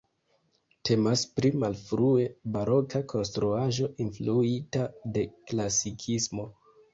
Temas pri malfrue baroka konstruaĵo influita de klasikismo.